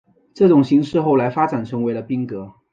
这种形式后来发展成为了赋格。